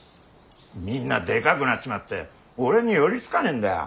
みんなでかくなっちまって俺に寄り付かねえんだよ。